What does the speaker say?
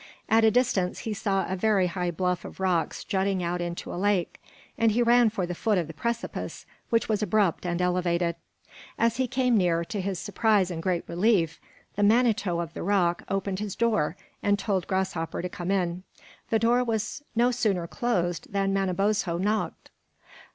At a distance he saw a very high bluff of rocks jutting out into a lake, and he ran for the foot of the precipice, which was abrupt and elevated. As he came near, to his surprise and great relief, the Manito of the rock opened his door and told Grasshopper to come in. The door was no sooner closed than Manabozho knocked.